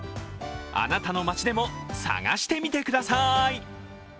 あなたの町でも探してみてください！